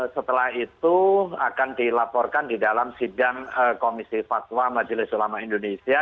setelah itu akan dilaporkan di dalam sidang komisi fatwa majelis ulama indonesia